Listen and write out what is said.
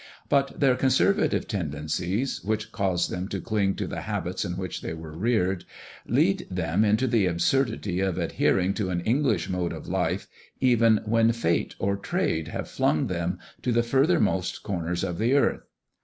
But their conservative tendencies which cause them to cling to the habits in which they were reared, lead them into the absurdity of adhering to an English mode of life even when fate or trade have flung them to the furthermost corners of the earth.